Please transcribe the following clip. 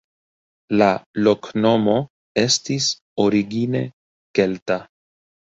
La loknomo estis origine kelta.